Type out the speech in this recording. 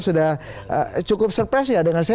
sudah cukup surprise ya dengan saya